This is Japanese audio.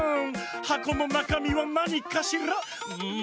「はこのなかみはなにかしら？」ん